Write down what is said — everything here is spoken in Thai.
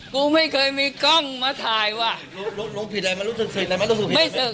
กูไม่เคยมีกล้องมาถ่ายว่ะรู้รู้ผิดอะไรมันรู้สึกผิดอะไร